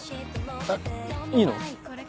えいいの？